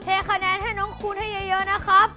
คะแนนให้น้องคูณให้เยอะนะครับ